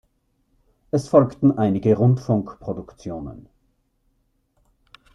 Es folgten einige Rundfunkproduktionen.